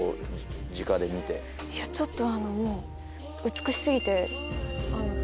いやちょっと。